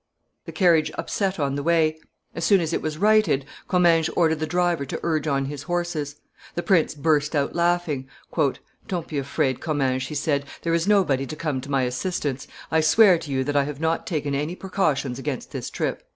The carriage upset on the way; as soon as it was righted, Comminges ordered the driver to urge on his horses. The prince burst out laughing. "Don't be afraid, Comminges," he said; "there is nobody to come to my assistance; I swear to you that I had not taken any precautions against this trip."